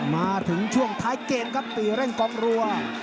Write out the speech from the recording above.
มาถึงช่วงท้ายเกมครับตีเร่งกองรัว